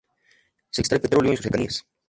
Se extrae petróleo en sus cercanías.